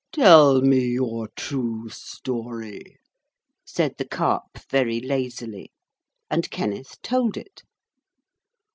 'Tell me your true story,' said the Carp very lazily. And Kenneth told it.